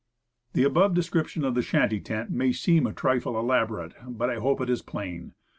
The above description of the shanty tent may seem a trifle elaborate, but I hope it is plain.